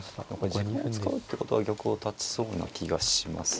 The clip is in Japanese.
時間を使うってことは玉を立ちそうな気がします。